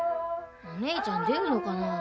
お姉ちゃん出るのかな。